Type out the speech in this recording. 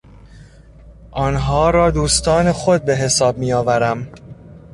آنها را دوستان خود به حساب میآورم.